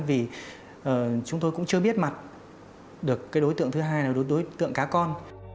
vì chúng tôi cũng chưa biết mặt được cái đối tượng thứ hai là đối tượng cá con